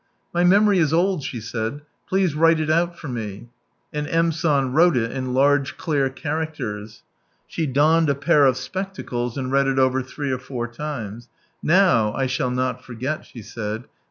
" My memory is old," she said, " please wrile it out, for me." And M. San wrote it in large clear characters. She donned a pair of spectacles, and read it over three or four times, "Now I shall not forget," she said.